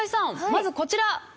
まずこちら。